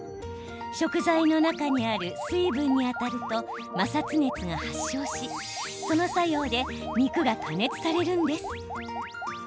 食材の中にある水分に当たると摩擦熱が発生しその作用で肉が加熱されるんです。